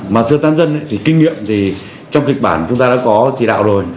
mà sơ tán dân thì kinh nghiệm thì trong kịch bản chúng ta đã có chỉ đạo rồi